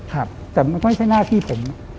ครับแต่มันก็ไม่ใช่หน้าที่ผม